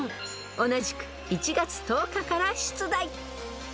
［同じく１月１０日から出題］